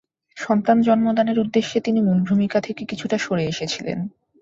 সন্তান জন্মদানের উদ্দেশ্যে তিনি মূল ভুমিকা থেকে কিছুটা সরে এসেছিলেন।